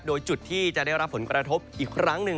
โดยจุดที่จะได้รับผลกระทบอีกครั้งหนึ่ง